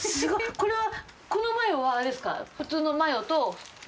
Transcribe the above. これはこのマヨはあれですか？